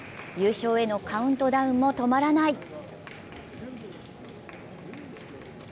優勝へのカウントダウンも止まらない。